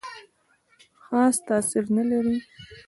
خاص تاثیر نه لري.